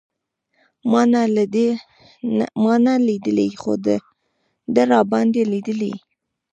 ما نه دی لېدلی خو ده راباندې لېدلی.